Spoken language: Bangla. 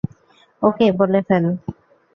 ওকে, বলে ফেল।